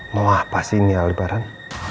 maaf pak sih ini aldebaran